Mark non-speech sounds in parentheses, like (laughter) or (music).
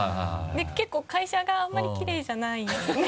結構会社があんまりきれいじゃないんですよ (laughs)